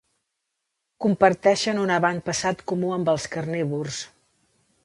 Comparteixen un avantpassat comú amb els carnívors.